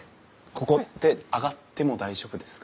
ここって上がっても大丈夫ですか？